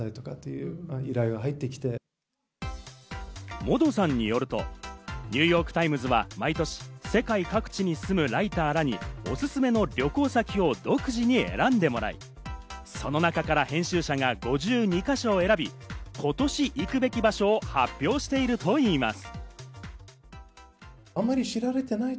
モドさんによると、ニューヨーク・タイムズは毎年、世界各地に住むライターらにおすすめの旅行先を独自に選んでもらい、その中から編集者が５２か所を選び、今年行くべき場所を発表しているといいます。